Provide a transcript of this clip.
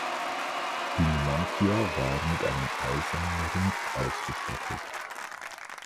Die "Numancia" war mit einem eisernen Rumpf ausgestattet.